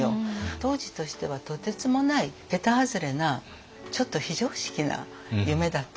当時としてはとてつもない桁外れなちょっと非常識な夢だったんですよね。